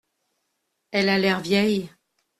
Elle a l’air vieille.